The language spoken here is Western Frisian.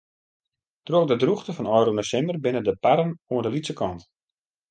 Troch de drûchte fan ôfrûne simmer binne de parren oan de lytse kant.